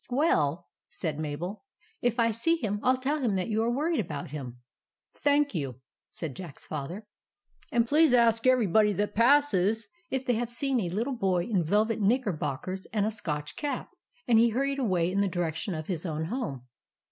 " Well," said Mabel, " if I see him I '11 tell him that you are worried about him." " Thank you," said Jack's Father ;" and 2o8 THE ADVENTURES OF MABEL please ask everybody who passes if they have seen a little boy in velvet knicker bockers and a Scotch cap." And he hurried away in the direction of his own home.